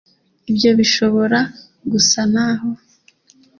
ibyo bishobora gusa n'aho